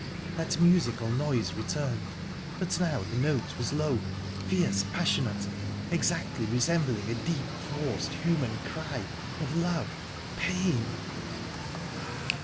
That musical noise returned, but now the note was low, fierce, passionate, exactly resembling a deep, forced human cry of love pain...